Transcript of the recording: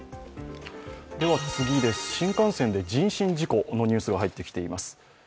新幹線で人身事故のニュースが入ってきています。